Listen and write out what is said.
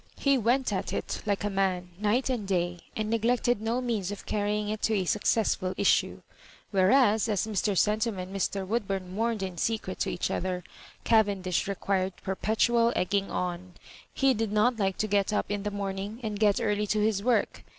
He went at it like a man night and day, and neglected no means of carrying it to a successful issue; whereas, as Mr. Centum and Mr. Woodbum mourned in secret to each other. Cavendish required perpetual egging on. He did not like to get up in the morning, and get early to his work.